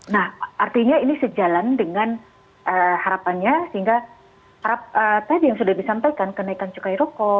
nah artinya ini sejalan dengan harapannya sehingga tadi yang sudah disampaikan kenaikan cukai rokok